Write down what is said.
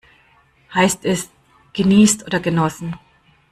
Heißt es geniest oder genossen?